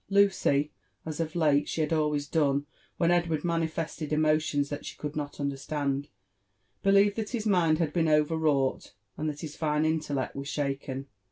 Luey» as of late she had always done when Edward maoilested emotions that she could not understand, believed that his mind had been overwrought, and that his fine intellect was shaken.